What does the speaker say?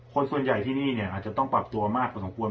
คนส่วนใหญ่ที่นี่เนี่ยอาจจะต้องปรับตัวมากพอสมควร